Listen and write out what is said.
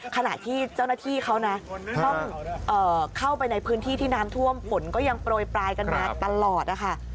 ขณะที่เจ้าหน้าที่เขานะต้องเข้าไปในพื้นที่ที่น้ำท่วมฝนก็ยังโปรยปลายกันมาตลอดนะคะ